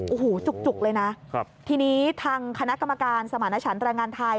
โอ้โหจุกเลยนะทีนี้ทางคณะกรรมการสมารณชันแรงงานไทย